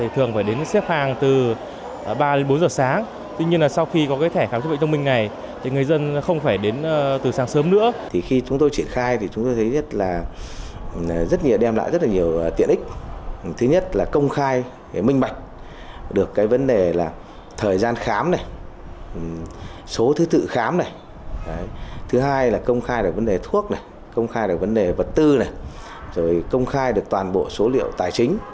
thứ hai là công khai được vấn đề thuốc này công khai được vấn đề vật tư này rồi công khai được toàn bộ số liệu tài chính